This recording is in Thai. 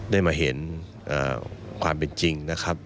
ได้มาเห็นความเป็นจริงนะครับ